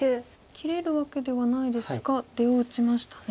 切れるわけではないですが出を打ちましたね。